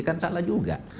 kan salah juga